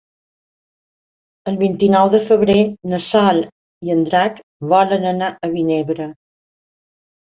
El vint-i-nou de febrer na Sol i en Drac volen anar a Vinebre.